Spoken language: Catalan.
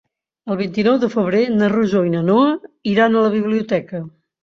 El vint-i-nou de febrer na Rosó i na Noa iran a la biblioteca.